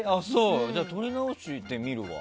じゃあ、撮り直してみるわ。